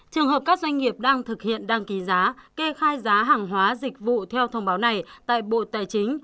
trường hợp các doanh nghiệp đang thực hiện đăng ký giá kê khai giá hàng hóa dịch vụ theo thông báo này tại bộ tài chính